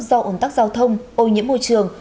do ổn tắc giao thông ô nhiễm môi trường